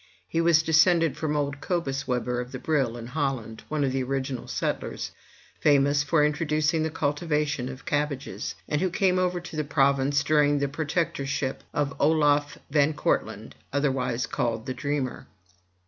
He was descended from old Cobus Webber of the Brill in Holland, one of the original settlers, famous for introducing the cultivation of cabbages, and who came over to the province during the pro tectorship of Oloffe Van Kortlandt, otherwise called the Dreamer.